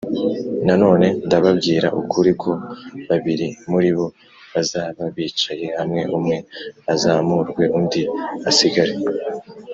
Nanone ndababwira ukuri ko babiri muri bo bazaba bicaye hamwe umwe azamurwe undi asigare.